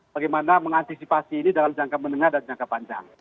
bagaimana mengantisipasi ini dalam jangka menengah dan jangka panjang